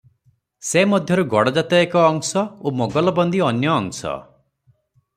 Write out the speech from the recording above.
ସେ ମଧ୍ୟରୁ ଗଡଜାତ ଏକ ଅଂଶ ଓ ମୋଗଲବନ୍ଦୀ ଅନ୍ୟ ଅଂଶ ।